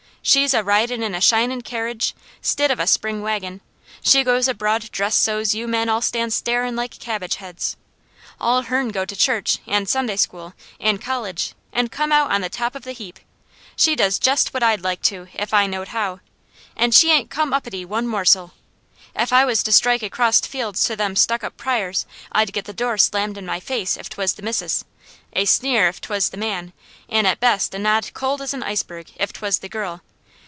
She's a ridin' in a shinin' kerridge, 'stid of a spring wagon. She goes abroad dressed so's you men all stand starin' like cabbage heads. All hern go to church, an' Sunday school, an' college, an' come out on the top of the heap. She does jest what I'd like to if I knowed how. An' she ain't come uppety one morsel.' If I was to strike acrost fields to them stuck up Pryors, I'd get the door slammed in my face if 'twas the missus, a sneer if 'twas the man, an' at best a nod cold as an iceberg if 'twas the girl.